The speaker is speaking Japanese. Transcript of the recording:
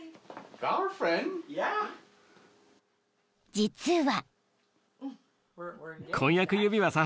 ［実は］